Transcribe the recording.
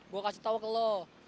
gue kasih tau ke lo